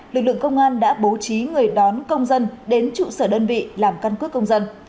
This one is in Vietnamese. lực lượng công an đã bố trí người đón công dân đến trụ sở đơn vị làm căn cước công dân